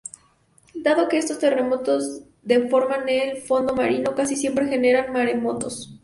Dado que estos terremotos deforman el fondo marino, casi siempre generan maremotos.